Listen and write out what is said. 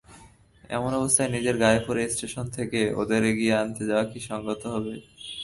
এমন অবস্থায় নিজেরা গায়ে পড়ে স্টেশন থেকে ওদের এগিয়ে আনতে যাওয়া কি সংগত হবে?